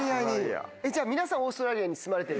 皆さんオーストラリアに住まれてる？